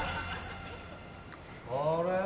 ・あれ？